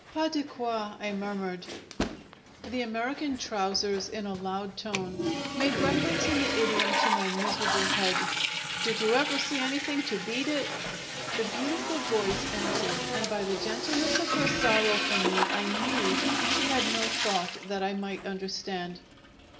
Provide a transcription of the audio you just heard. "Pas de quoi!" I murmured. The American trousers in a loud tone made reference in the idiom to my miserable head: "Did you ever see anything to beat it?" The beautiful voice answered, and by the gentleness of her sorrow for me I knew she had no thought that I might understand.